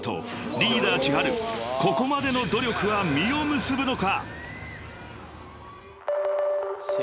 ［リーダーｃｈｉｈａｒｕここまでの努力は実を結ぶのか］